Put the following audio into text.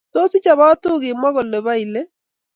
Tos ichobotu kimwa ko bo ile